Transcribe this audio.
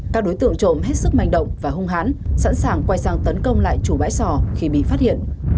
các đối tượng trộm hết sức manh động và hung hán sẵn sàng quay sang tấn công lại chủ bãi sò khi bị phát hiện